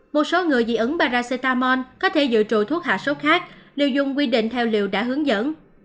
một số người dị ứng paracetamol có thể dự trụ thuốc hạ sốt khác đều dùng quy định theo liều đã hướng dẫn